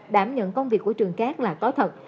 đảm nhận công việc của trường cát là có thật